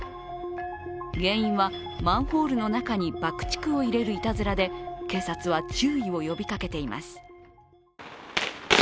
原因は、マンホールの中に爆竹を入れるいたずらで警察は注意を呼びかけています。